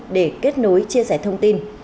để kết nối chia sẻ thông tin